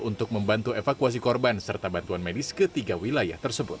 untuk membantu evakuasi korban serta bantuan medis ke tiga wilayah tersebut